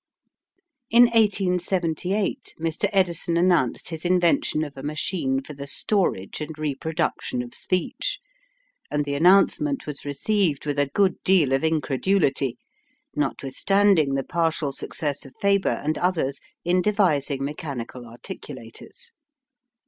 In 1878 Mr. Edison announced his invention of a machine for the storage and reproduction of speech, and the announcement was received with a good deal of incredulity, notwithstanding the partial success of Faber and others in devising mechanical articulators.